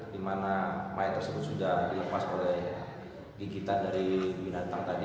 di mana mayat tersebut sudah dilepas oleh gigitan dari binatang tadi